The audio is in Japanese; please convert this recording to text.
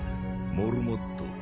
モルモット。